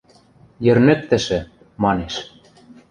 – Йӹрнӹктӹшӹ, – манеш.